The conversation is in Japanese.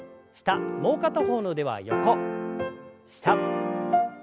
もう片方の腕は横下横。